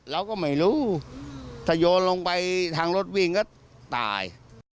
เราก็ไม่รู้ถ้าโยนลงไปทางรถวิ่งก็ตาย